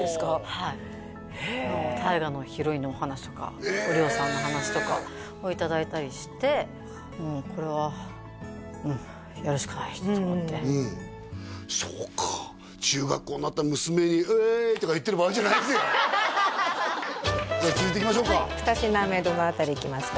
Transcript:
はいへえ大河のヒロインのお話とかお龍さんの話とかをいただいたりしてもうこれはうんやるしかないと思ってうんそうか中学校になった娘にじゃあ続いていきましょうか二品目どの辺りいきますか？